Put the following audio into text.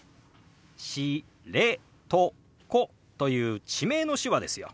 「しれとこ」という地名の手話ですよ。